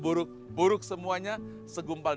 buruk buruk semuanya segumpal